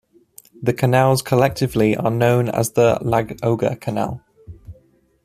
The canals collectively are known as the Ladoga Canal.